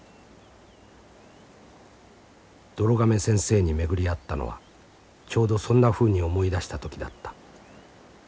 どろ亀先生に巡り会ったのはちょうどそんなふうに思いだした時だった。